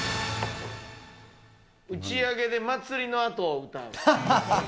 打ち上げで祭りのあとを歌う。